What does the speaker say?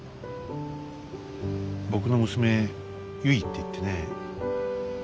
僕の娘ゆいっていってね。